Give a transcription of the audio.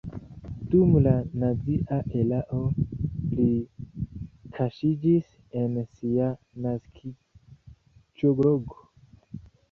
Dum la nazia erao li kaŝiĝis en sia naskiĝloko.